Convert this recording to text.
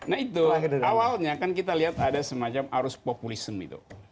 nah itu awalnya kan kita lihat ada semacam arus populisme itu